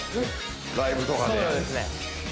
ライブとかでそうですね